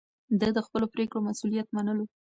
ده د خپلو پرېکړو مسووليت منلو.